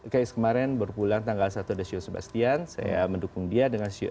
kayaknya kemarin baru pulang tanggal satu ada show sebastian saya mendukung dia dengan